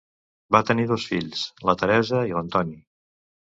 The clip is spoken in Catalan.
Va tenir dos fills: la Teresa i l'Antoni.